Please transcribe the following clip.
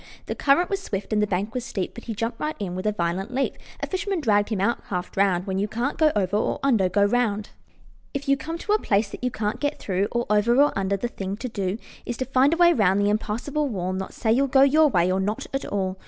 The current was swift and the bank was steep, But he jumped right in with a violent leap. A fisherman dragged him out half drowned: "When you can't go over or under, go round." If you come to a place that you can't get through, Or over or under, the thing to do Is to find a way round the impassable wall, Not say you'll go YOUR way or not at all.